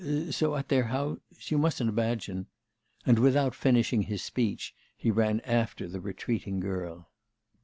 so at their house... you mustn't imagine' ... and, without finishing his speech, he ran after the retreating girl.